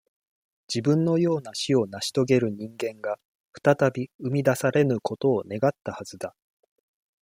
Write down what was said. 自分のような死をなし遂げる人間が、再び、生み出されぬことを願ったはずだ。